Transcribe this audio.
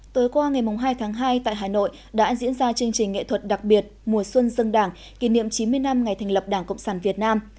tối qua ngày hai tháng hai tại hà nội đã diễn ra chương trình nghệ thuật đặc biệt mùa xuân dân đảng kỷ niệm chín mươi năm ngày thành lập đảng cộng sản việt nam